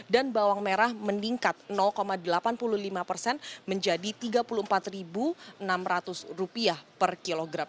dan bawang merah meningkat delapan puluh lima menjadi rp tiga puluh empat enam ratus per kilogram